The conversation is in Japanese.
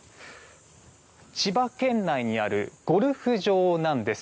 千葉県内にあるゴルフ場なんです。